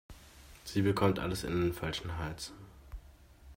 Sie bekommt alles in den falschen Hals.